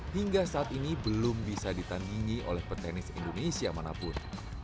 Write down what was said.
hingga saat ini belum bisa ditandingi oleh petenis indonesia manapun